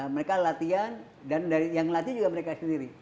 mereka latihan dan dari yang latihan juga mereka sendiri